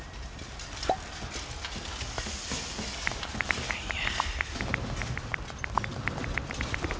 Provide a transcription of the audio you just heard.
いやいや。